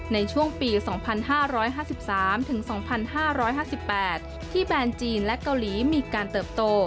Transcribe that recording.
ในช่วงปี๒๕๕๓๒๕๕๘ที่แบรนด์จีนและเกาหลีมีการเติบโต